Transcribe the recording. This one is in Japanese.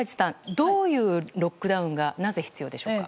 どういうロックダウンがなぜ必要でしょうか？